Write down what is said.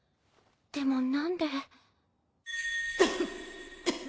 でも何で。